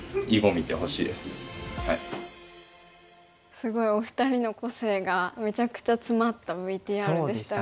すごいお二人の個性がめちゃくちゃ詰まったＶＴＲでしたね。